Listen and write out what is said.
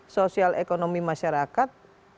sosial ekonomi masyarakat